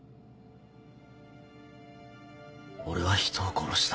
俺は人を殺した。